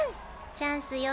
チャンスよ。